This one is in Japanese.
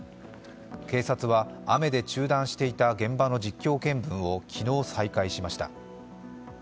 警察は、雨で中断していた現場の実況見分を昨日、再開しました。